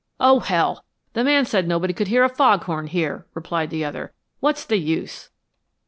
"Oh, hell! The man said nobody could hear a foghorn here," replied the other. "What's the use?"